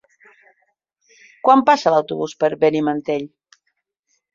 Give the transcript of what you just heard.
Quan passa l'autobús per Benimantell?